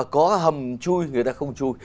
có hầm chui người ta không chui